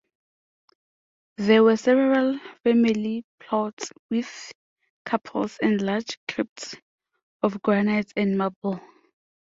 There were several family plots with chapels and large crypts of granite and marble.